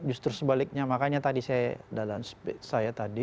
justru sebaliknya makanya tadi saya dalam speech saya tadi